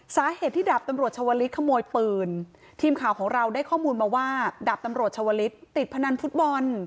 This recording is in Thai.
สาเหตุที่ดาบตำรวจชาวลิศขโมยปืนทีมข่าวของเราได้ข้อมูลมาว่าดาบตำรวจชาวลิศติดพนันฟุตบอล